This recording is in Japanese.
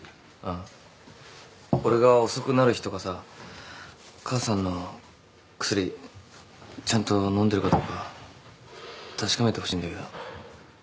あっ俺が遅くなる日とかさ母さんの薬ちゃんと飲んでるかどうか確かめてほしいんだけど。